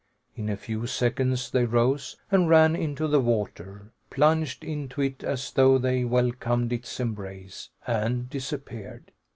In a few seconds they rose and ran into the water, plunged into it as though they welcomed its embrace, and disappeared.